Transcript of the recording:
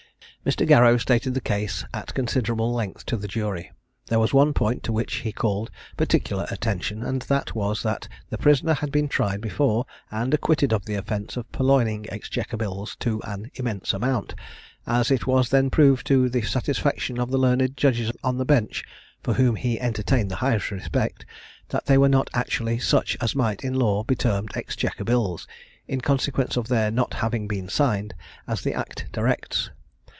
Mr. Garrow stated the case at considerable length to the jury. There was one point, to which he called particular attention, and that was that the prisoner had been tried before, and acquitted of the offence of purloining exchequer bills to an immense amount; as it was then proved to the satisfaction of the learned judges on the bench, for whom he entertained the highest respect, that they were not actually such as might in law be termed exchequer bills, in consequence of their not having been signed as the act directs.